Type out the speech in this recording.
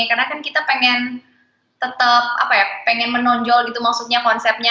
karena kan kita pengen tetap apa ya pengen menonjol gitu maksudnya konsepnya